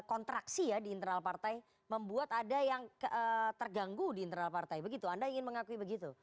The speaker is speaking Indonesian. kontraksi ya di internal partai membuat ada yang terganggu di internal partai begitu anda ingin mengakui begitu